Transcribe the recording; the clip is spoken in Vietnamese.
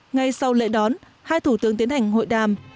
ngay sau lễ đón hai thủ tướng tiến hành hội đàm